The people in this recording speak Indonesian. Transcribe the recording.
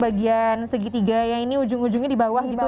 bagian segitiga ya ini ujung ujungnya dibawah gitu ya